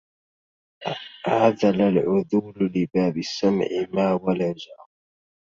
عذل العذول لباب السمع ما ولجا